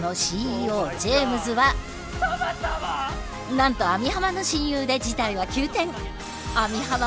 なんと網浜の親友で事態は急転！